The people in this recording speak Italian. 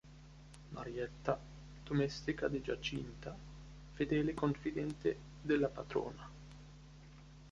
Marietta: domestica di Giacinta, fedele confidente della padrona.